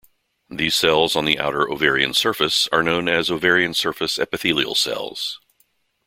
These cells on the outer ovarian surface are known as ovarian surface epithelial cells.